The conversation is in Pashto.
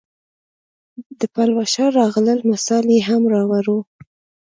د پلوشه راغلل مثال یې هم راووړ.